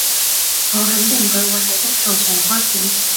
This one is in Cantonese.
我肯定佢會喺足球場開片